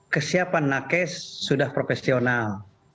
kesiapan nakesh sudah profesional